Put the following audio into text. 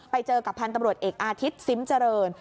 ไปเจอกับพันธุ์ตำรวจเอกอาทิตย์ซิมเจริญ